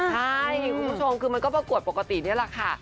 ใช่คุณผู้ชมคือมันก็ประกวดปกตินี่แหละค่ะ